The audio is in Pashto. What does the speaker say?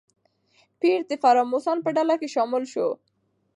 پییر د فراماسون په ډله کې شامل شو.